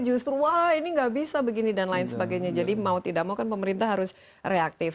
justru wah ini nggak bisa begini dan lain sebagainya jadi mau tidak mau kan pemerintah harus reaktif